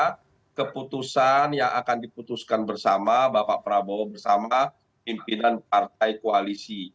kita tunggu saja keputusan yang akan diputuskan bersama bapak prabowo bersama pimpinan partai koalisi